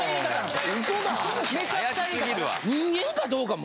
めちゃくちゃいい方。